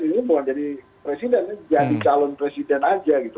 ini bukan jadi presiden jadi calon presiden aja gitu